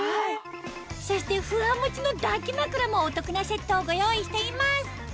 そしてふわもちの抱き枕もお得なセットをご用意しています